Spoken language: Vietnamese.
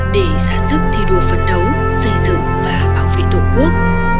để ra sức thi đua phấn đấu xây dựng và bảo vệ tổ quốc